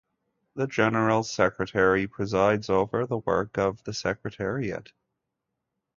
The General Secretary presides over the work of the Secretariat.